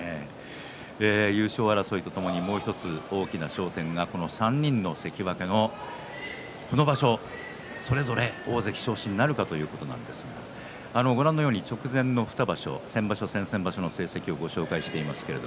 優勝争いとともにもう一つ大きな焦点がこの３人の関脇のこの場所それぞれ大関昇進なるかということなんですが直前の２場所先場所、先々場所の成績をご紹介しています。